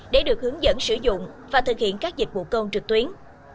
để được hướng dẫn sử dụng và thực hiện các dịch vụ công trực tuyến